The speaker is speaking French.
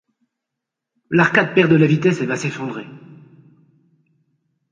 L'arcade perd de la vitesse et va s'effondrer.